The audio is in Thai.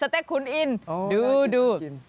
สเต็กคุณอินดู